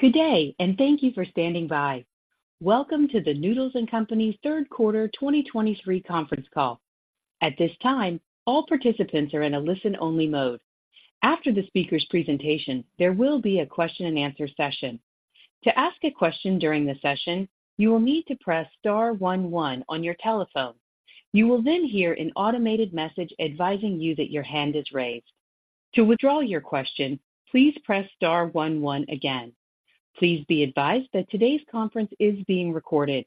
Good day, and thank you for standing by. Welcome to the Noodles & Company third quarter 2023 conference call. At this time, all participants are in a listen-only mode. After the speaker's presentation, there will be a question and answer session. To ask a question during the session, you will need to press star one one on your telephone. You will then hear an automated message advising you that your hand is raised. To withdraw your question, please press star one one again. Please be advised that today's conference is being recorded.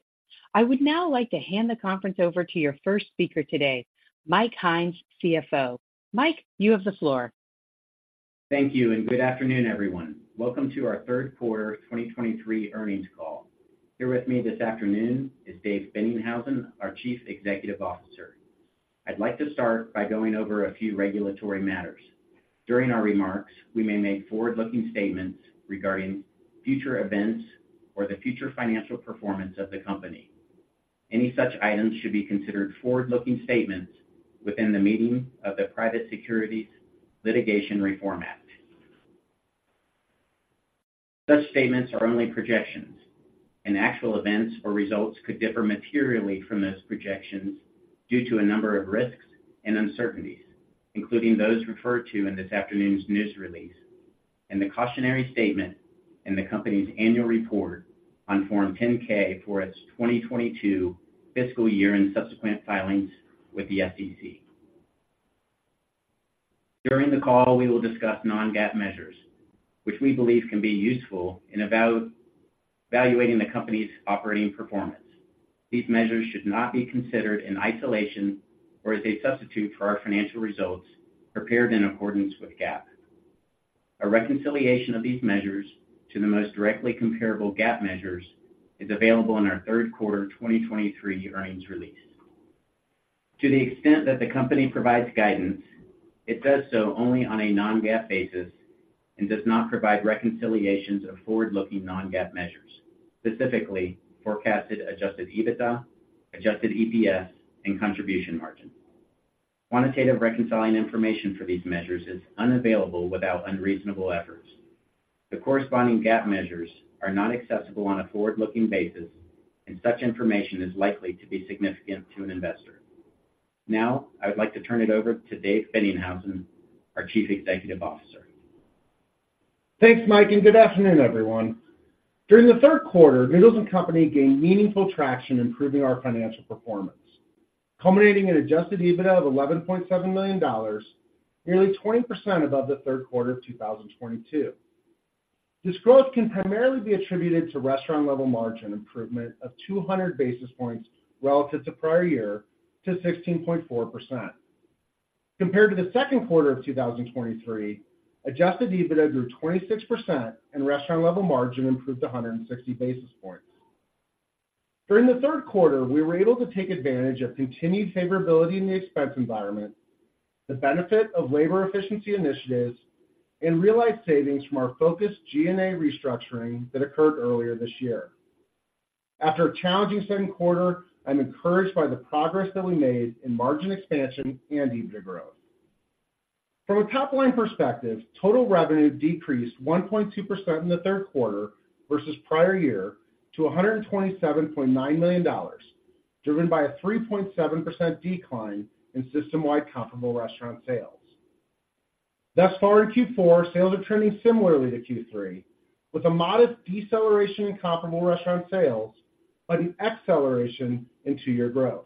I would now like to hand the conference over to your first speaker today, Mike Hynes, CFO. Mike, you have the floor. Thank you, and good afternoon, everyone. Welcome to our third quarter 2023 earnings call. Here with me this afternoon is Dave Boennighausen, our Chief Executive Officer. I'd like to start by going over a few regulatory matters. During our remarks, we may make forward-looking statements regarding future events or the future financial performance of the company. Any such items should be considered forward-looking statements within the meaning of the Private Securities Litigation Reform Act. Such statements are only projections, and actual events or results could differ materially from those projections due to a number of risks and uncertainties, including those referred to in this afternoon's news release, and the cautionary statement in the company's annual report on Form 10-K for its 2022 fiscal year and subsequent filings with the SEC. During the call, we will discuss non-GAAP measures, which we believe can be useful in evaluating the company's operating performance. These measures should not be considered in isolation or as a substitute for our financial results prepared in accordance with GAAP. A reconciliation of these measures to the most directly comparable GAAP measures is available in our third quarter 2023 earnings release. To the extent that the company provides guidance, it does so only on a non-GAAP basis and does not provide reconciliations of forward-looking non-GAAP measures, specifically forecasted Adjusted EBITDA, Adjusted EPS, and Contribution Margin. Quantitative reconciling information for these measures is unavailable without unreasonable efforts. The corresponding GAAP measures are not accessible on a forward-looking basis, and such information is likely to be significant to an investor. Now, I would like to turn it over to Dave Boennighausen, our Chief Executive Officer. Thanks, Mike, and good afternoon, everyone. During the third quarter, Noodles & Company gained meaningful traction, improving our financial performance, culminating an Adjusted EBITDA of $11.7 million, nearly 20% above the third quarter of 2022. This growth can primarily be attributed to restaurant-level margin improvement of 200 basis points relative to prior year to 16.4%. Compared to the second quarter of 2023, Adjusted EBITDA grew 26% and restaurant-level margin improved 160 basis points. During the third quarter, we were able to take advantage of continued favorability in the expense environment, the benefit of labor efficiency initiatives, and realized savings from our focused G&A restructuring that occurred earlier this year. After a challenging second quarter, I'm encouraged by the progress that we made in margin expansion and EBITDA growth. From a top-line perspective, total revenue decreased 1.2% in the third quarter versus prior year to $127.9 million, driven by a 3.7% decline in System-Wide Comparable Restaurant Sales. Thus far in Q4, sales are trending similarly to Q3, with a modest deceleration in comparable restaurant sales, but an acceleration in two-year growth.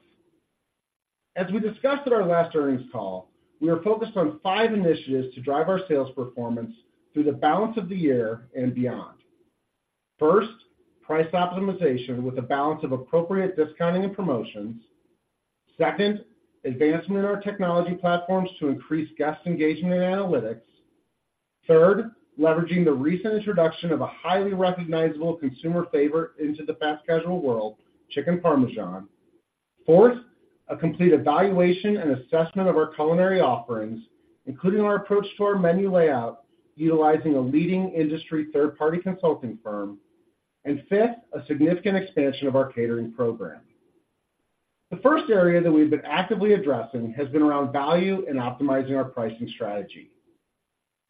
As we discussed at our last earnings call, we are focused on five initiatives to drive our sales performance through the balance of the year and beyond. First, price optimization with a balance of appropriate discounting and promotions. Second, advancement in our technology platforms to increase guest engagement and analytics. Third, leveraging the recent introduction of a highly recognizable consumer favorite into the fast-casual world, Chicken Parmesan. Fourth, a complete evaluation and assessment of our culinary offerings, including our approach to our menu layout, utilizing a leading industry third-party consulting firm. And fifth, a significant expansion of our catering program. The first area that we've been actively addressing has been around value and optimizing our pricing strategy.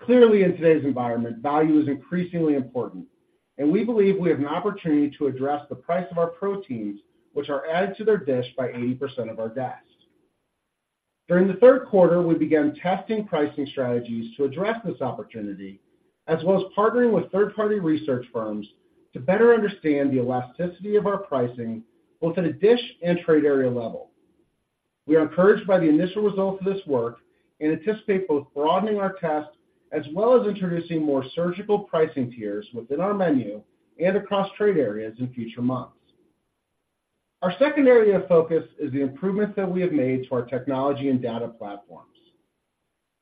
Clearly, in today's environment, value is increasingly important, and we believe we have an opportunity to address the price of our proteins, which are added to their dish by 80% of our guests. During the third quarter, we began testing pricing strategies to address this opportunity, as well as partnering with third-party research firms to better understand the elasticity of our pricing, both at a dish and trade area level. We are encouraged by the initial results of this work and anticipate both broadening our test as well as introducing more surgical pricing tiers within our menu and across trade areas in future months. Our second area of focus is the improvements that we have made to our technology and data platforms.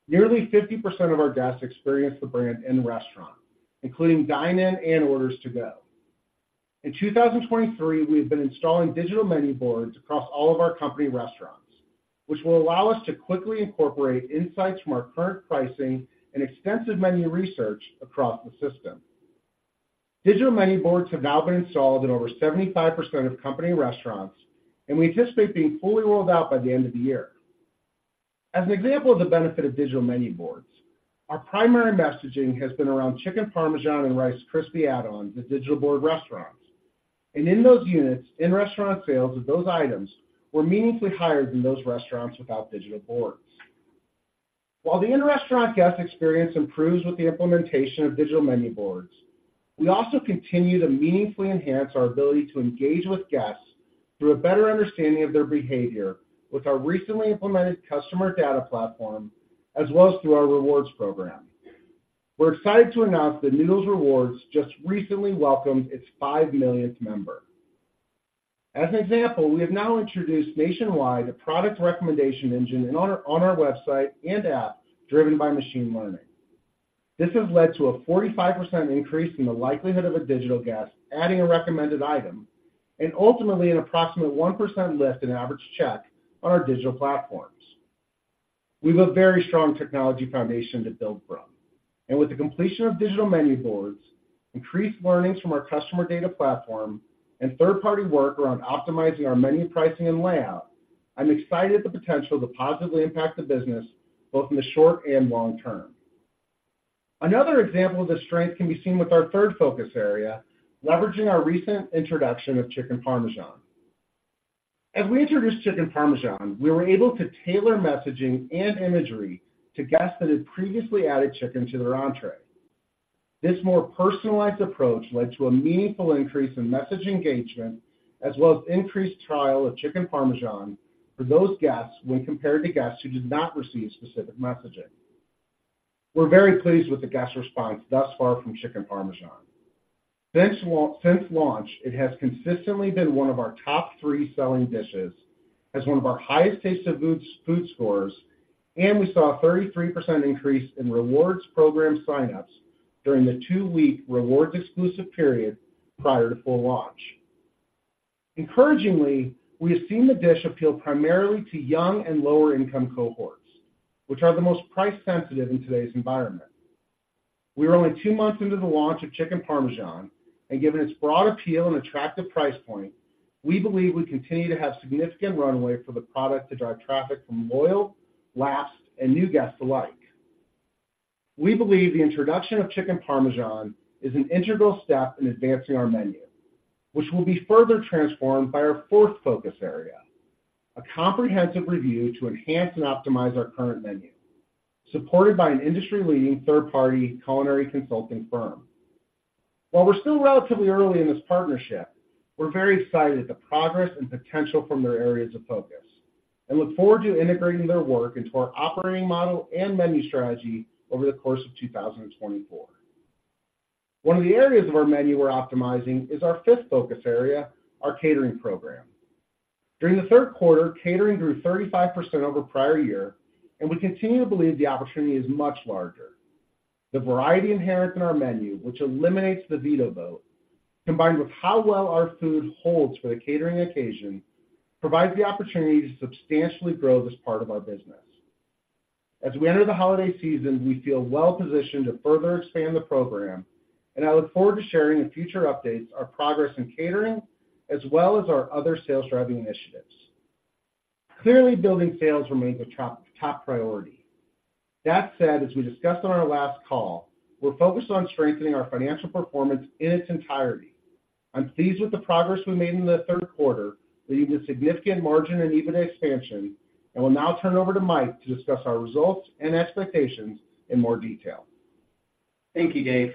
Nearly 50% of our guests experience the brand in the restaurant, including dine-in and orders to go. In 2023, we have been installing digital menu boards across all of our company restaurants, which will allow us to quickly incorporate insights from our current pricing and extensive menu research across the system. Digital menu boards have now been installed in over 75% of company restaurants, and we anticipate being fully rolled out by the end of the year. As an example of the benefit of digital menu boards, our primary messaging has been around Chicken Parmesan and Rice Crispy add-on to digital board restaurants. And in those units, in-restaurant sales of those items were meaningfully higher than those restaurants without digital boards. While the in-restaurant guest experience improves with the implementation of digital menu boards, we also continue to meaningfully enhance our ability to engage with guests through a better understanding of their behavior with our recently implemented customer data platform, as well as through our rewards program. We're excited to announce that Noodles Rewards just recently welcomed its 5 millionth member. As an example, we have now introduced nationwide a product recommendation engine on our website and app driven by machine learning. This has led to a 45% increase in the likelihood of a digital guest adding a recommended item, and ultimately an approximate 1% lift in average check on our digital platforms. We have a very strong technology foundation to build from, and with the completion of digital menu boards, increased learnings from our customer data platform, and third-party work around optimizing our menu pricing and layout, I'm excited at the potential to positively impact the business, both in the short and long term. Another example of this strength can be seen with our third focus area, leveraging our recent introduction of Chicken Parmesan. As we introduced Chicken Parmesan, we were able to tailor messaging and imagery to guests that had previously added chicken to their entree. This more personalized approach led to a meaningful increase in message engagement, as well as increased trial of Chicken Parmesan for those guests when compared to guests who did not receive specific messaging. We're very pleased with the guest response thus far from Chicken Parmesan. Since launch, it has consistently been one of our top three selling dishes, has one of our highest taste of foods, food scores, and we saw a 33% increase in rewards program signups during the two-week rewards exclusive period prior to full launch. Encouragingly, we have seen the dish appeal primarily to young and lower-income cohorts, which are the most price sensitive in today's environment. We are only two months into the launch of Chicken Parmesan, and given its broad appeal and attractive price point, we believe we continue to have significant runway for the product to drive traffic from loyal, lapsed, and new guests alike. We believe the introduction of Chicken Parmesan is an integral step in advancing our menu, which will be further transformed by our fourth focus area, a comprehensive review to enhance and optimize our current menu, supported by an industry-leading third-party culinary consulting firm. While we're still relatively early in this partnership, we're very excited at the progress and potential from their areas of focus, and look forward to integrating their work into our operating model and menu strategy over the course of 2024. One of the areas of our menu we're optimizing is our fifth focus area, our catering program. During the third quarter, catering grew 35% over prior year, and we continue to believe the opportunity is much larger. The variety inherent in our menu, which eliminates the veto vote, combined with how well our food holds for the catering occasion, provides the opportunity to substantially grow this part of our business. As we enter the holiday season, we feel well positioned to further expand the program, and I look forward to sharing in future updates, our progress in catering, as well as our other sales-driving initiatives. Clearly, building sales remains a top, top priority. That said, as we discussed on our last call, we're focused on strengthening our financial performance in its entirety. I'm pleased with the progress we made in the third quarter, leading to significant margin and EBITDA expansion, and will now turn over to Mike to discuss our results and expectations in more detail. Thank you, Dave.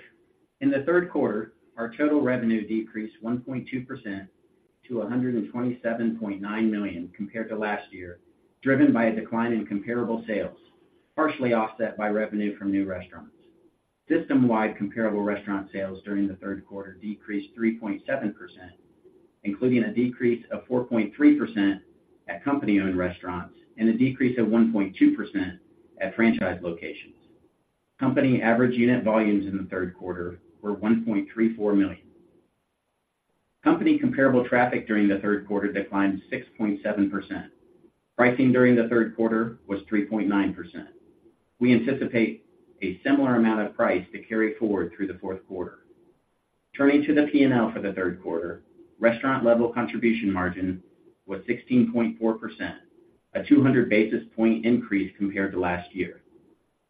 In the third quarter, our total revenue decreased 1.2%-$127.9 million compared to last year, driven by a decline in comparable sales, partially offset by revenue from new restaurants. System-wide comparable restaurant sales during the third quarter decreased 3.7%, including a decrease of 4.3% at company-owned restaurants and a decrease of 1.2% at franchise locations. Company average unit volumes in the third quarter were $1.34 million. Company comparable traffic during the third quarter declined 6.7%. Pricing during the third quarter was 3.9%. We anticipate a similar amount of price to carry forward through the fourth quarter. Turning to the P&L for the third quarter, restaurant-level contribution margin was 16.4%, a 200 basis point increase compared to last year.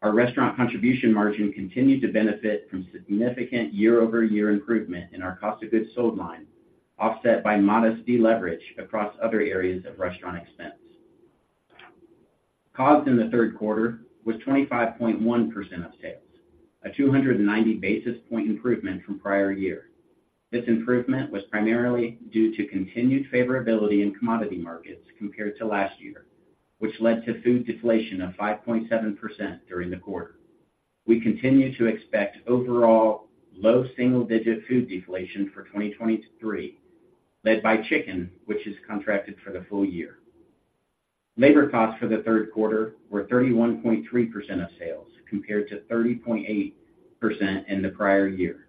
Our restaurant contribution margin continued to benefit from significant year-over-year improvement in our cost of goods sold line, offset by modest deleverage across other areas of restaurant expense. COGS in the third quarter was 25.1% of sales, a 290 basis point improvement from prior year. This improvement was primarily due to continued favorability in commodity markets compared to last year, which led to food deflation of 5.7% during the quarter. We continue to expect overall low single-digit food deflation for 2023, led by chicken, which is contracted for the full year. Labor costs for the third quarter were 31.3% of sales, compared to 30.8% in the prior year.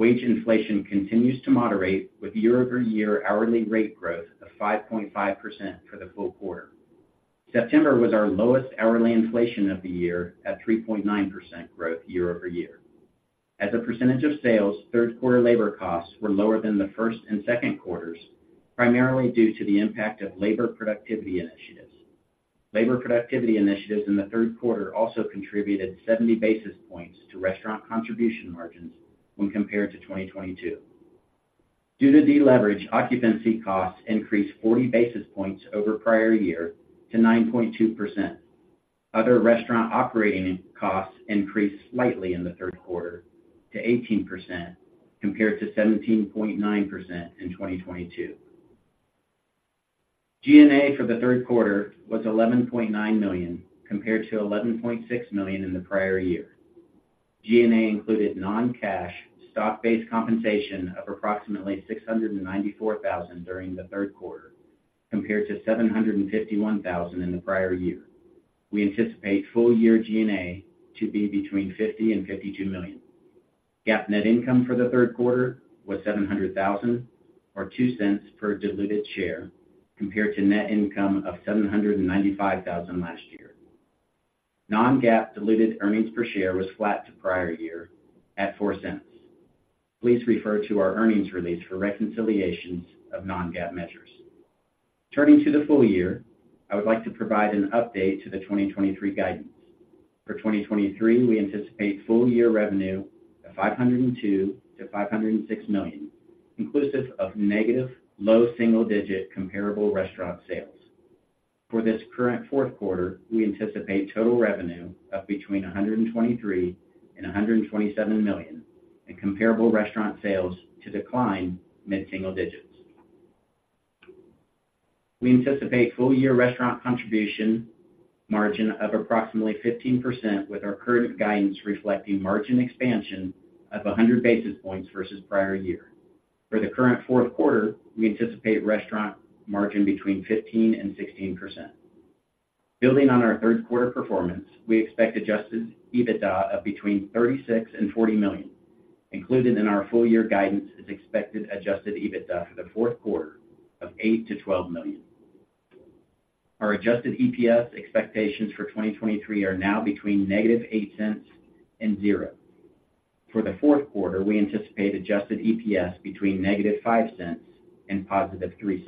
Wage inflation continues to moderate, with year-over-year hourly rate growth of 5.5% for the full quarter. September was our lowest hourly inflation of the year at 3.9% growth year-over-year. As a percentage of sales, third quarter labor costs were lower than the first and second quarters, primarily due to the impact of labor productivity initiatives. Labor productivity initiatives in the third quarter also contributed 70 basis points to restaurant contribution margins when compared to 2022. Due to deleverage, occupancy costs increased 40 basis points over prior year to 9.2%. Other restaurant operating costs increased slightly in the third quarter to 18%, compared to 17.9% in 2022. G&A for the third quarter was $11.9 million, compared to $11.6 million in the prior year. G&A included non-cash stock-based compensation of approximately $694,000 during the third quarter, compared to $751,000 in the prior year. We anticipate full year G&A to be between $50 million-$52 million. GAAP net income for the third quarter was $700,000, or $0.02 per diluted share, compared to net income of $795,000 last year. Non-GAAP diluted earnings per share was flat to prior year at $0.04. Please refer to our earnings release for reconciliations of non-GAAP measures. Turning to the full year, I would like to provide an update to the 2023 guidance. For 2023, we anticipate full-year revenue of $502 million-$506 million, inclusive of negative low single-digit comparable restaurant sales. For this current fourth quarter, we anticipate total revenue of between $123 million and $127 million, and comparable restaurant sales to decline mid-single digits. We anticipate full-year restaurant contribution margin of approximately 15%, with our current guidance reflecting margin expansion of 100 basis points versus prior year. For the current fourth quarter, we anticipate restaurant margin between 15% and 16%. Building on our third-quarter performance, we expect Adjusted EBITDA of between $36 million and $40 million. Included in our full-year guidance is expected Adjusted EBITDA for the fourth quarter of $8 million-$12 million. Our Adjusted EPS expectations for 2023 are now between -$0.08 and $0.00. For the fourth quarter, we anticipate Adjusted EPS between -$0.05 and $0.03.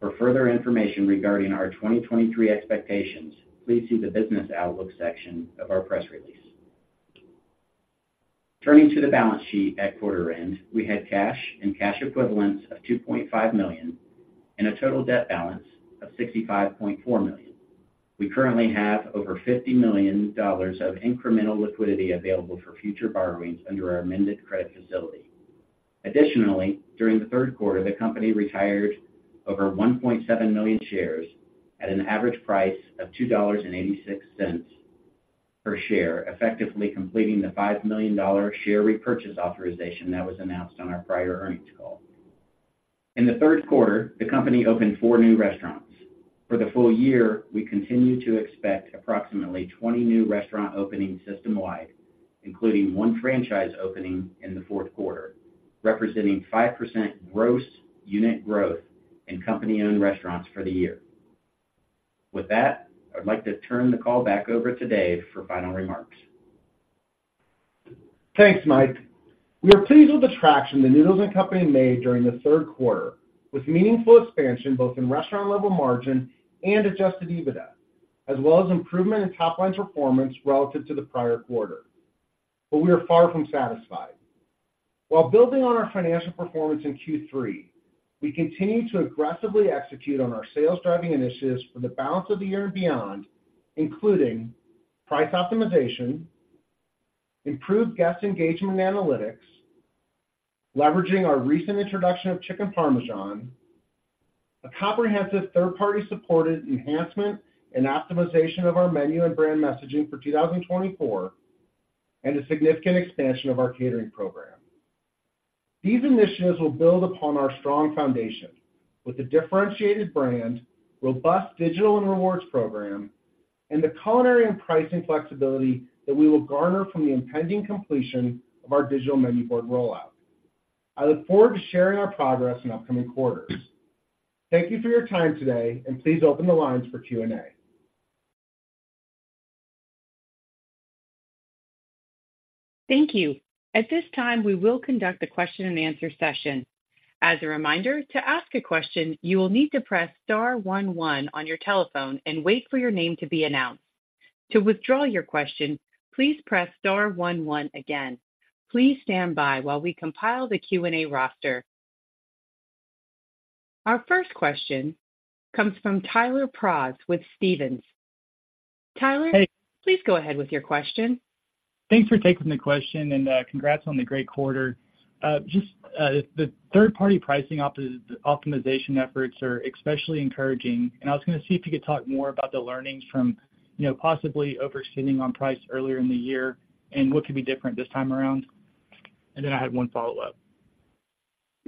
For further information regarding our 2023 expectations, please see the Business Outlook section of our press release. Turning to the balance sheet at quarter end, we had cash and cash equivalents of $2.5 million and a total debt balance of $65.4 million. We currently have over $50 million of incremental liquidity available for future borrowings under our amended credit facility. Additionally, during the third quarter, the company retired over 1.7 million shares at an average price of $2.86 per share, effectively completing the $5 million share repurchase authorization that was announced on our prior earnings call. In the third quarter, the company opened four new restaurants. For the full year, we continue to expect approximately 20 new restaurant openings system-wide, including one franchise opening in the fourth quarter, representing 5% gross unit growth in company-owned restaurants for the year. With that, I'd like to turn the call back over to Dave for final remarks. Thanks, Mike. We are pleased with the traction that Noodles & Company made during the third quarter, with meaningful expansion both in restaurant-level margin and Adjusted EBITDA, as well as improvement in top-line performance relative to the prior quarter. But we are far from satisfied. While building on our financial performance in Q3, we continue to aggressively execute on our sales-driving initiatives for the balance of the year and beyond, including price optimization, improved guest engagement analytics, leveraging our recent introduction of Chicken Parmesan, a comprehensive third-party supported enhancement and optimization of our menu and brand messaging for 2024, and a significant expansion of our catering program. These initiatives will build upon our strong foundation with a differentiated brand, robust digital and rewards program, and the culinary and pricing flexibility that we will garner from the impending completion of our digital menu board rollout. I look forward to sharing our progress in upcoming quarters. Thank you for your time today, and please open the lines for Q&A. Thank you. At this time, we will conduct a question-and-answer session. As a reminder, to ask a question, you will need to press star one one on your telephone and wait for your name to be announced. To withdraw your question, please press star one one again. Please stand by while we compile the Q&A roster. Our first question comes from Tyler Prause with Stephens. Tyler, please go ahead with your question. Thanks for taking the question, and congrats on the great quarter. Just, the third-party pricing optimization efforts are especially encouraging, and I was going to see if you could talk more about the learnings from, you know, possibly overspending on price earlier in the year and what could be different this time around. Then I had one follow-up.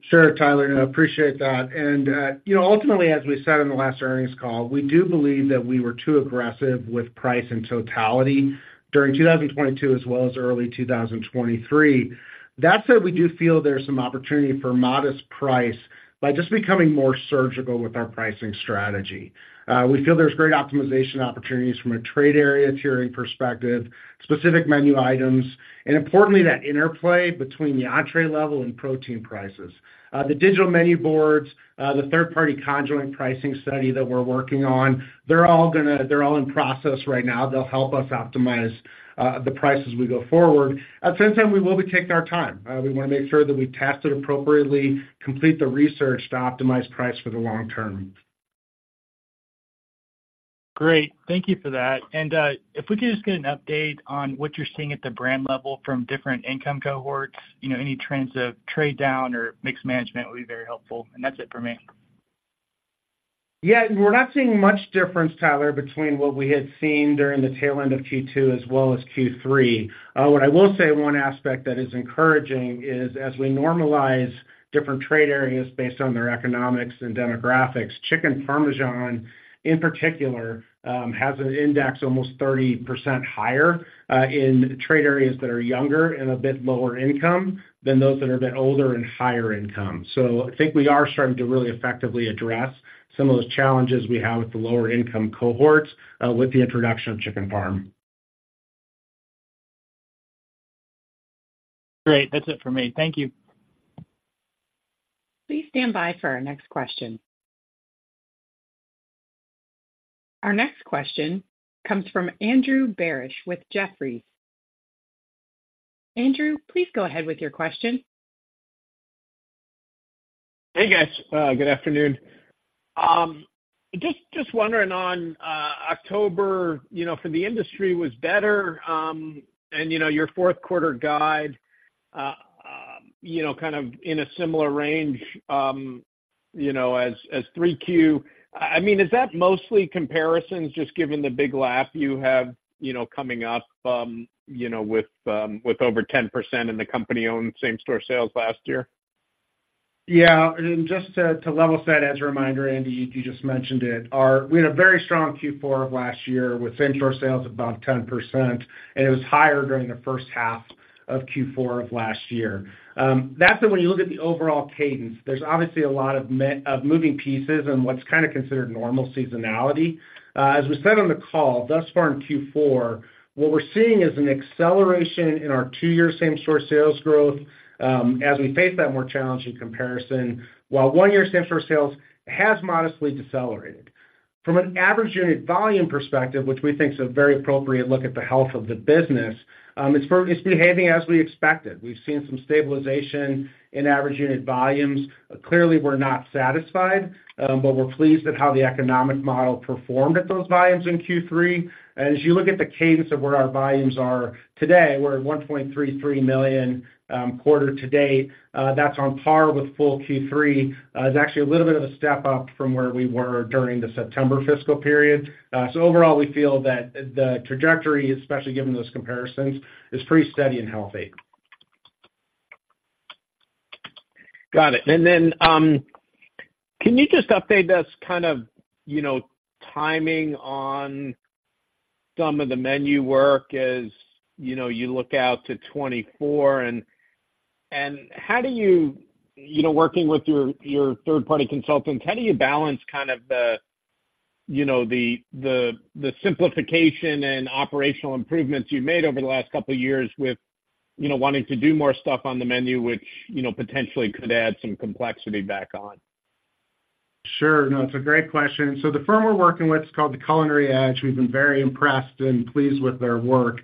Sure, Tyler, I appreciate that. And, you know, ultimately, as we said in the last earnings call, we do believe that we were too aggressive with price in totality during 2022 as well as early 2023.... That said, we do feel there's some opportunity for modest price by just becoming more surgical with our pricing strategy. We feel there's great optimization opportunities from a trade area, tiering perspective, specific menu items, and importantly, that interplay between the entree level and protein prices. The digital menu boards, the third-party conjoint pricing study that we're working on, they're all in process right now. They'll help us optimize the price as we go forward. At the same time, we will be taking our time. We want to make sure that we test it appropriately, complete the research to optimize price for the long term. Great. Thank you for that. If we could just get an update on what you're seeing at the brand level from different income cohorts, you know, any trends of trade down or mixed management would be very helpful, and that's it for me. Yeah, we're not seeing much difference, Tyler, between what we had seen during the tail end of Q2 as well as Q3. What I will say, one aspect that is encouraging is as we normalize different trade areas based on their economics and demographics, Chicken Parmesan, in particular, has an index almost 30% higher in trade areas that are younger and a bit lower income than those that are a bit older and higher income. So I think we are starting to really effectively address some of those challenges we have with the lower income cohorts with the introduction of Chicken Parm. Great. That's it for me. Thank you. Please stand by for our next question. Our next question comes from Andrew Barish with Jefferies. Andrew, please go ahead with your question. Hey, guys, good afternoon. Just wondering on October, you know, for the industry was better, and you know, your fourth quarter guide, you know, kind of in a similar range, you know, as 3Q. I mean, is that mostly comparisons, just given the big lap you have, you know, coming up, you know, with over 10% in the company-owned same-store sales last year? Yeah, and just to level set, as a reminder, Andy, you just mentioned it, we had a very strong Q4 of last year with same-store sales about 10%, and it was higher during the first half of Q4 of last year. That's when you look at the overall cadence, there's obviously a lot of moving pieces and what's kind of considered normal seasonality. As we said on the call, thus far in Q4, what we're seeing is an acceleration in our two-year same-store sales growth, as we face that more challenging comparison, while one-year same-store sales has modestly decelerated. From an average unit volume perspective, which we think is a very appropriate look at the health of the business, it's behaving as we expected. We've seen some stabilization in average unit volumes. Clearly, we're not satisfied, but we're pleased at how the economic model performed at those volumes in Q3. As you look at the cadence of where our volumes are today, we're at 1.33 million, quarter to date. That's on par with full Q3. It's actually a little bit of a step up from where we were during the September fiscal period. So overall, we feel that the, the trajectory, especially given those comparisons, is pretty steady and healthy. Got it. And then, can you just update us kind of, you know, timing on some of the menu work as, you know, you look out to 2024? And how do you, you know, working with your third-party consultants, how do you balance kind of the, you know, simplification and operational improvements you've made over the last couple of years with, you know, wanting to do more stuff on the menu, which, you know, potentially could add some complexity back on? Sure. No, it's a great question. So the firm we're working with is called The Culinary Edge. We've been very impressed and pleased with their work.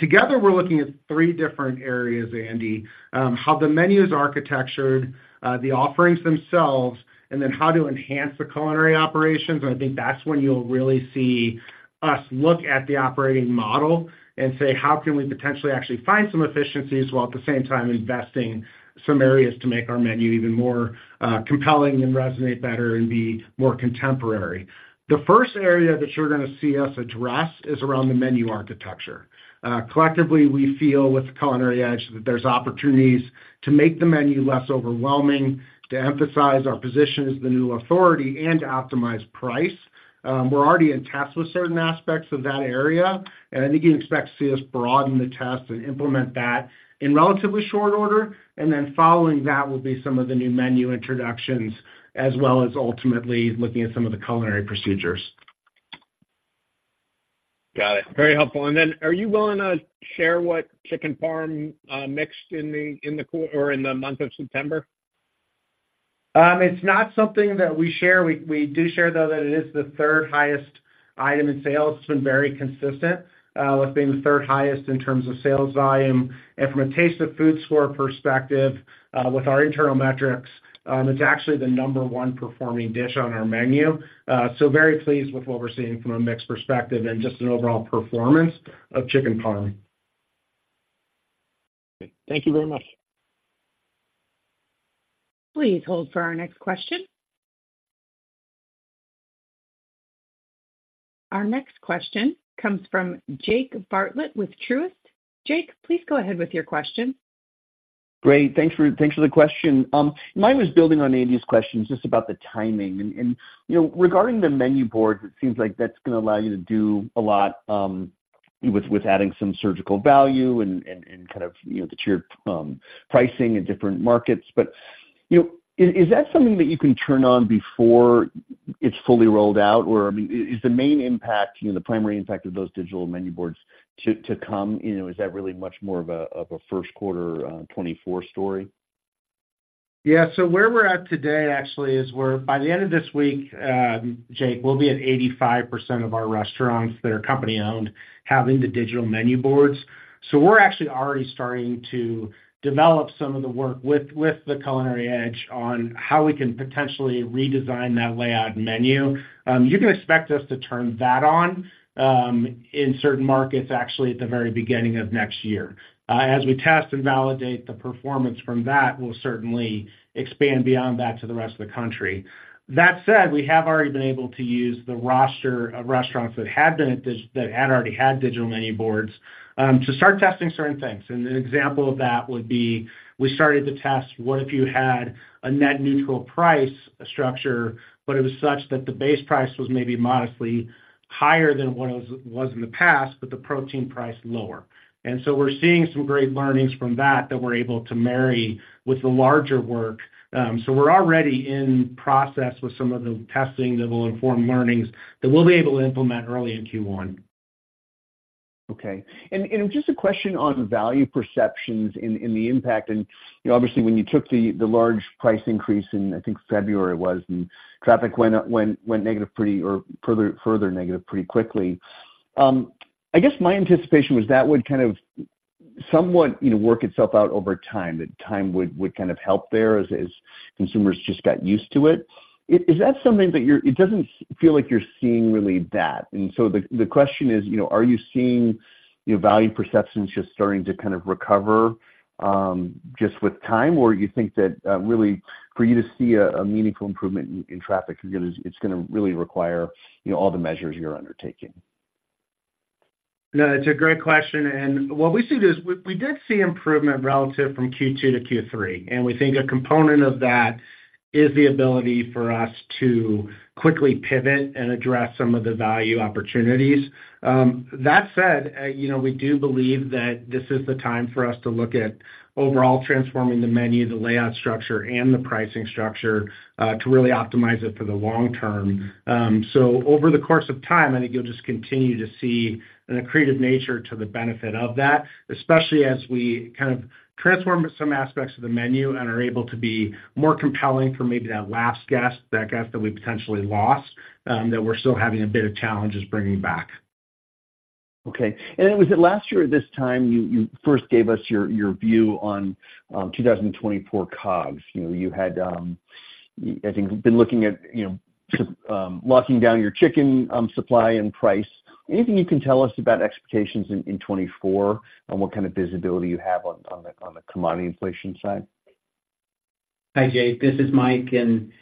Together, we're looking at three different areas, Andy: how the menu is architectured, the offerings themselves, and then how to enhance the culinary operations. And I think that's when you'll really see us look at the operating model and say: How can we potentially actually find some efficiencies while at the same time investing some areas to make our menu even more compelling and resonate better and be more contemporary? The first area that you're going to see us address is around the menu architecture. Collectively, we feel with The Culinary Edge, that there's opportunities to make the menu less overwhelming, to emphasize our position as the new authority and to optimize price. We're already in test with certain aspects of that area, and I think you can expect to see us broaden the test and implement that in relatively short order. And then following that will be some of the new menu introductions, as well as ultimately looking at some of the culinary procedures. Got it. Very helpful. And then are you willing to share what chicken parm mixed in the, in the or in the month of September? It's not something that we share. We, we do share, though, that it is the third highest item in sales. It's been very consistent with being the third highest in terms of sales volume. And from a taste of food score perspective, with our internal metrics, it's actually the number one performing dish on our menu. So very pleased with what we're seeing from a mix perspective and just an overall performance of Chicken Parm. Thank you very much. Please hold for our next question. Our next question comes from Jake Bartlett with Truist. Jake, please go ahead with your question. Great. Thanks for the question. Mine was building on Andy's questions, just about the timing and, you know, regarding the menu board, it seems like that's gonna allow you to do a lot. With adding some surgical value and kind of, you know, the tiered pricing in different markets. But, you know, is that something that you can turn on before it's fully rolled out? Or, I mean, is the main impact, you know, the primary impact of those digital menu boards to come, you know, is that really much more of a first quarter 2024 story? Yeah. So where we're at today, actually, is, by the end of this week, Jake, we'll be at 85% of our restaurants that are company-owned, having the digital menu boards. So we're actually already starting to develop some of the work with the Culinary Edge on how we can potentially redesign that layout menu. You can expect us to turn that on in certain markets, actually, at the very beginning of next year. As we test and validate the performance from that, we'll certainly expand beyond that to the rest of the country. That said, we have already been able to use the roster of restaurants that had already had digital menu boards to start testing certain things. An example of that would be, we started to test, what if you had a net neutral price structure, but it was such that the base price was maybe modestly higher than what it was, was in the past, but the protein price lower? And so we're seeing some great learnings from that, that we're able to marry with the larger work. So we're already in process with some of the testing that will inform learnings that we'll be able to implement early in Q1. Okay. And just a question on value perceptions in the impact, and, you know, obviously, when you took the large price increase in, I think February it was, and traffic went negative or further negative pretty quickly. I guess my anticipation was that would kind of somewhat, you know, work itself out over time, that time would kind of help there as consumers just got used to it. Is that something that you're... It doesn't feel like you're seeing really that. And so the question is, you know, are you seeing value perceptions just starting to kind of recover just with time? Or you think that really for you to see a meaningful improvement in traffic is gonna-- it's gonna really require all the measures you're undertaking? No, it's a great question, and what we see is we did see improvement relative from Q2-Q3, and we think a component of that is the ability for us to quickly pivot and address some of the value opportunities. That said, you know, we do believe that this is the time for us to look at overall transforming the menu, the layout structure, and the pricing structure, to really optimize it for the long term. So over the course of time, I think you'll just continue to see an accretive nature to the benefit of that, especially as we kind of transform some aspects of the menu and are able to be more compelling for maybe that last guest, that guest that we potentially lost, that we're still having a bit of challenges bringing back. Okay. Was it last year at this time you first gave us your view on 2024 COGS? You know, you had, I think, been looking at, you know, locking down your chicken supply and price. Anything you can tell us about expectations in 2024 and what kind of visibility you have on the commodity inflation side? Hi, Jake, this is Mike, and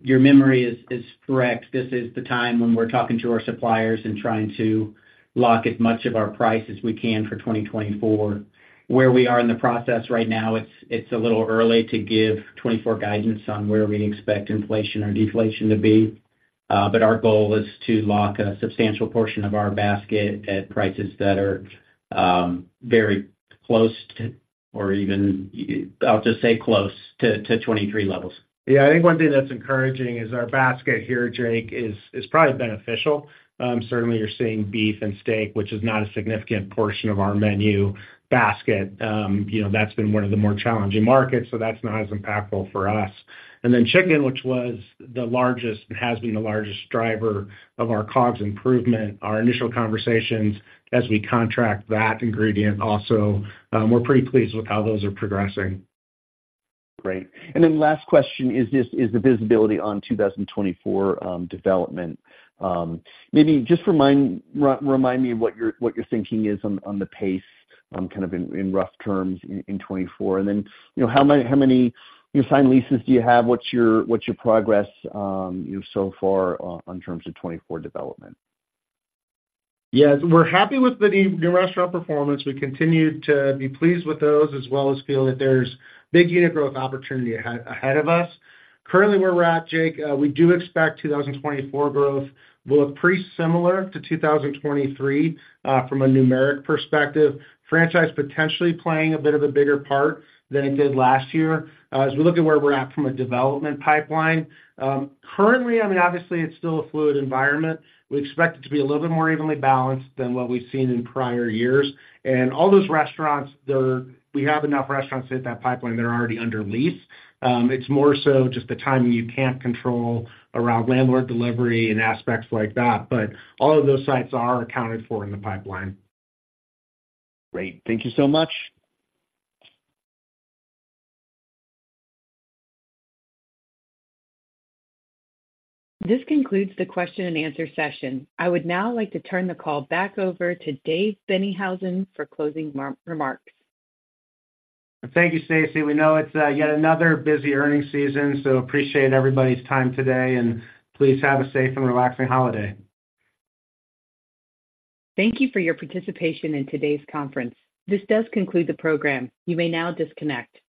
your memory is correct. This is the time when we're talking to our suppliers and trying to lock as much of our price as we can for 2024. Where we are in the process right now, it's a little early to give '2024 guidance on where we expect inflation or deflation to be, but our goal is to lock a substantial portion of our basket at prices that are very close to, or even, I'll just say close to, to '2023 levels. Yeah. I think one thing that's encouraging is our basket here, Jake, is probably beneficial. Certainly, you're seeing beef and steak, which is not a significant portion of our menu basket. You know, that's been one of the more challenging markets, so that's not as impactful for us. And then chicken, which was the largest and has been the largest driver of our COGS improvement, our initial conversations as we contract that ingredient also, we're pretty pleased with how those are progressing. Great. And then last question is just, is the visibility on 2024 development. Maybe just remind me what you're thinking is on the pace, kind of in rough terms in 2024. And then, you know, how many signed leases do you have? What's your progress, you know, so far on terms of 2024 development? Yeah. We're happy with the new restaurant performance. We continue to be pleased with those, as well as feel that there's big unit growth opportunity ahead of us. Currently, where we're at, Jake, we do expect 2024 growth will look pretty similar to 2023, from a numeric perspective. Franchise potentially playing a bit of a bigger part than it did last year. As we look at where we're at from a development pipeline, currently, I mean, obviously it's still a fluid environment. We expect it to be a little bit more evenly balanced than what we've seen in prior years. All those restaurants, we have enough restaurants in that pipeline that are already under lease. It's more so just the timing you can't control around landlord delivery and aspects like that, but all of those sites are accounted for in the pipeline. Great. Thank you so much. This concludes the question and answer session. I would now like to turn the call back over to Dave Boennighausen for closing remarks. Thank you, Stacy. We know it's yet another busy earnings season, so appreciate everybody's time today, and please have a safe and relaxing holiday. Thank you for your participation in today's conference. This does conclude the program. You may now disconnect.